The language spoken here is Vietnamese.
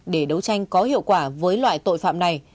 để đấu tranh có hiệu quả với loại tội phạm này